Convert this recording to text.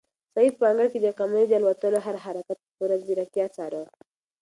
سعید په انګړ کې د قمرۍ د الوتلو هر حرکت په پوره ځیرکتیا څاره.